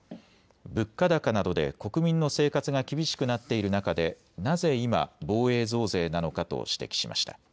物価高などで国民の生活が厳しくなっている中でなぜ今、防衛増税なのかと指摘しました。